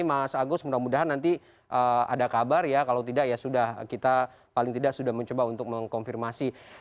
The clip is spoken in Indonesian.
mas agus mudah mudahan nanti ada kabar ya kalau tidak ya sudah kita paling tidak sudah mencoba untuk mengkonfirmasi